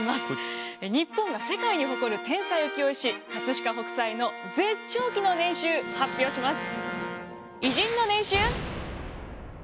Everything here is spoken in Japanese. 日本が世界に誇る天才浮世絵師飾北斎の絶頂期の年収発表します。